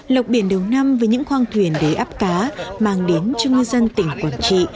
lộc biển đầu năm với những khoang thuyền đầy áp cá mang đến cho ngư dân tỉnh quảng trị